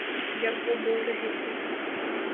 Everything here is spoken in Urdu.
جب وہ بول رہے تھے۔